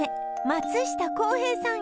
松下洸平さん